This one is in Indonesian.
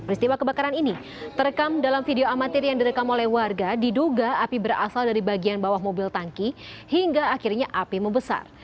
peristiwa kebakaran ini terekam dalam video amatir yang direkam oleh warga diduga api berasal dari bagian bawah mobil tangki hingga akhirnya api membesar